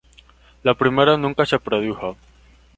Lo primero nunca se produjo.